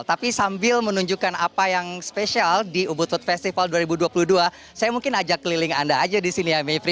tapi sambil menunjukkan apa yang spesial di ubud food festival dua ribu dua puluh dua saya mungkin ajak keliling anda aja di sini ya mevri